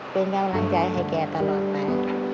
เป็นกำลังใจให้แกตลอดไป